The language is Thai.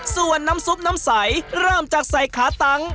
ส่วนน้ำซุปน้ำใสเริ่มจากใส่ขาตังค์